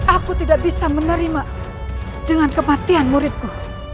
aku tidak bisa menerima dengan kematian muridku